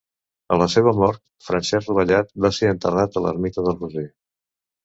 A la seva mort, Francesc Rovellat va ser enterrat a l'ermita del Roser.